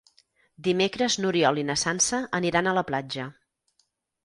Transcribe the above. Dimecres n'Oriol i na Sança aniran a la platja.